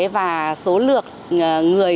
và số lượng người